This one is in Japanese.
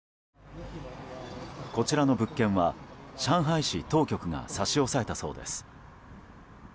こちらの物件は上海市当局が差し押さえたそうです。